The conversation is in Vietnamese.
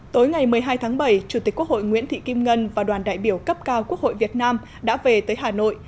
tối ngày một mươi hai tháng bảy chủ tịch quốc hội nguyễn thị kim ngân và đoàn đại biểu cấp cao quốc hội việt nam đã về tới hà nội